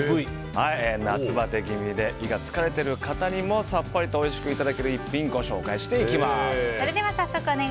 夏バテ気味で胃が疲れてる方にもさっぱりとおいしくいただける一品ご紹介していきます。